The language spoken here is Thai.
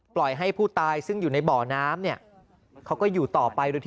ปล่อยให้ผู้ตายซึ่งอยู่ในบ่อน้ำ